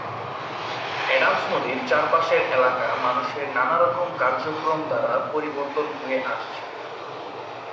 Adams নদীর চারপাশের এলাকা মানুষের নানারকম কার্যক্রম দ্বারা পরিবর্তন হয়ে আসছে।